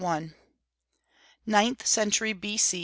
NINTH CENTURY B.